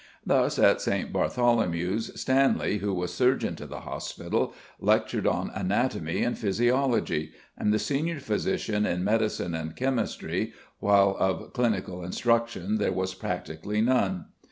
Thus, at St. Bartholomew's, Stanley, who was surgeon to the hospital, lectured on anatomy and physiology, and the senior physician on medicine and chemistry, while of clinical instruction there was practically none.